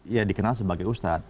ya dikenal sebagai ustadz